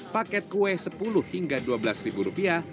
paket kue sepuluh hingga dua belas ribu rupiah